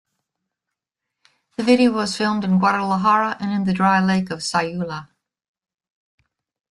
The video was filmed in Guadalajara and in the dry lake of Sayula.